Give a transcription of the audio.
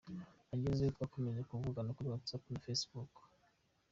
Agezeyo twakomeje kuvugana kuri WhatsApp na facebook.